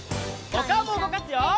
おかおもうごかすよ！